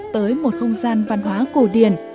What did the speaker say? tới một không gian văn hóa cổ điển